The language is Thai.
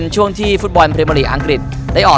ในครั้งนี้ฟแปรมาลีฟุตบอลได้ออก